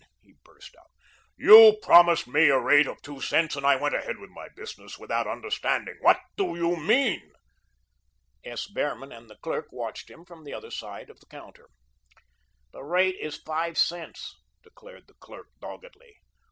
he burst out. "You promised me a rate of two cents and I went ahead with my business with that understanding. What do you mean?" S. Behrman and the clerk watched him from the other side of the counter. "The rate is five cents," declared the clerk doggedly.